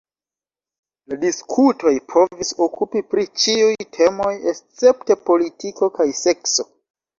La diskutoj povis okupi pri ĉiuj temoj escepte politiko kaj sekso.